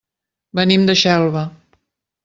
Venim de Xelva.